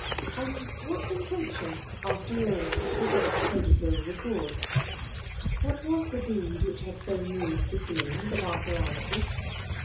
And whatxotofitiM, after all, did tluKt codicil vecord? — Wiiat waa the deed which had so moved the foelings of Ar£bur Anoytage?